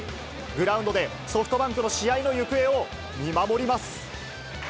グラウンドでソフトバンクの試合の行方を見守ります。